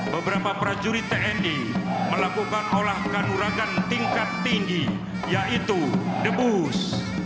beberapa prajurit tni melakukan olahkanuragan tingkat tinggi yaitu debus